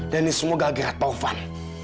dan semoga gerat taufan